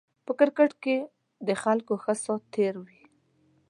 په کرکېټ کې د خلکو ښه سات تېر وي